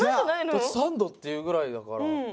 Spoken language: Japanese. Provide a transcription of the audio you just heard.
サンドって言うぐらいだから。